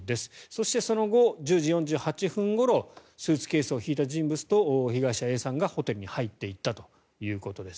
そしてその後、１０時４８分ごろスーツケースを引いた人物と被害者Ａさんが、ホテルに入っていったということです。